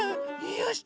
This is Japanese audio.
よし！